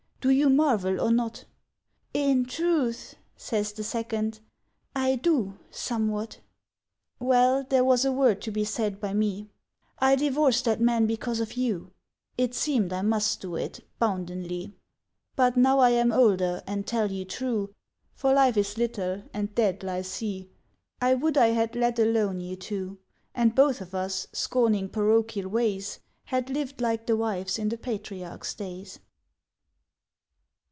"Do you marvel or not?" "In truth," says the second, "I do—somewhat." "Well, there was a word to be said by me! ... I divorced that man because of you— It seemed I must do it, boundenly; But now I am older, and tell you true, For life is little, and dead lies he; I would I had let alone you two! And both of us, scorning parochial ways, Had lived like the wives in the patriarchs' days."